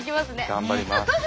頑張ります。